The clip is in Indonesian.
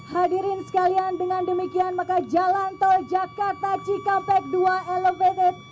hadirin sekalian dengan demikian maka jalan tol jakarta cikampek dua elevated